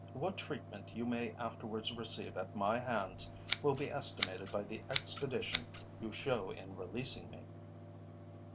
What treatment you may afterwards receive at my hands will be estimated by the expedition you show in releasing me."